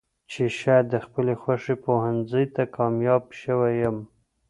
چې شايد د خپلې خوښې پوهنځۍ ته کاميابه شوې يم.